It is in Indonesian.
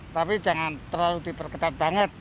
tapi jangan terlalu diperketat banget